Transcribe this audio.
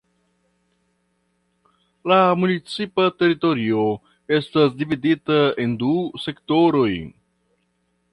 La municipa teritorio estas dividita en du sektoroj.